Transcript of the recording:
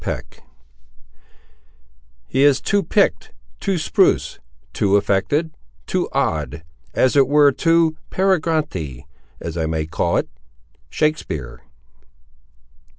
CHAPTER VI He is too picked, too spruce, too affected, too odd, As it were too peregrinate, as I may call it. —Shakespeare.